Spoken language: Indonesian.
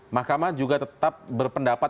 mahkamah juga tetap berpendapat